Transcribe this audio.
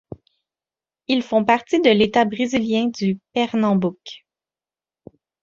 Ils font partie de l'État brésilien du Pernambouc.